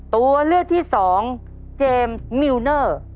ตัวเลือกที่สองเจมส์มิวเนอร์